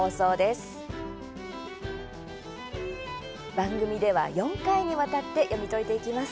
番組では４回にわたって読み解いていきます。